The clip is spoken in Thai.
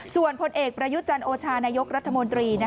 ส่วนพลเอกประยุจันทร์โอชานายกรัฐมนตรี